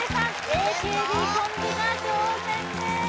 ＡＫＢコンビが挑戦です